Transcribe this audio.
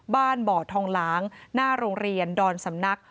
บ่อทองหลางหน้าโรงเรียนดอนสำนัก